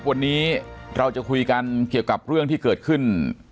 วันนี้เราจะคุยกันเกี่ยวกับเรื่องที่เกิดขึ้น